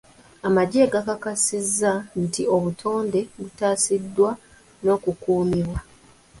Amagye gakakasizza nti obutonde butaasiddwa n'okukuumibwa.